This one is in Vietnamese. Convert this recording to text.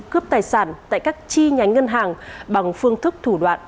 cướp tài sản tại các chi nhánh ngân hàng bằng phương thức thủ đoạn